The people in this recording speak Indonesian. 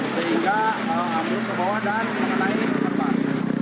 sehingga ambruk ke bawah dan mengenai korban